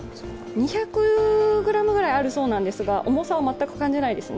２００ｇぐらいあるそうなんですが重さは全く感じないですね。